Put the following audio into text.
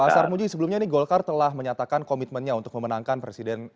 pak sarmuji sebelumnya ini golkar telah menyatakan komitmennya untuk memenangkan presiden